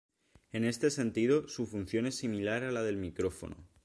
En este sentido, su función es similar a la del micrófono.